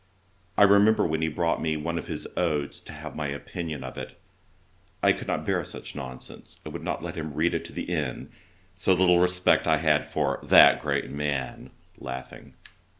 I remember when he brought me one of his Odes to have my opinion of it; I could not bear such nonsense, and would not let him read it to the end; so little respect had I for that great man!